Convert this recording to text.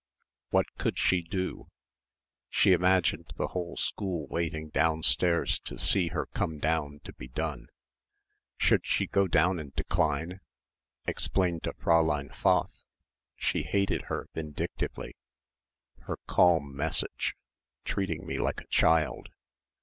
What could she do? She imagined the whole school waiting downstairs to see her come down to be done. Should she go down and decline, explain to Fräulein Pfaff. She hated her vindictively her "calm" message "treating me like a child."